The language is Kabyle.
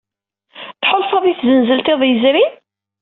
Tḥulfaḍ i tzenzelt iḍ yezrin?